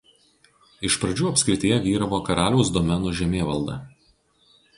Iš pradžių apskrityje vyravo karaliaus domenų žemėvalda.